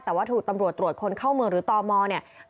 แต่ว่าถูกตำรวจตรวจคนเข้าเมืองหรือตมเนี่ย